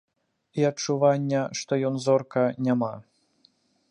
І адчування, што ён зорка, няма.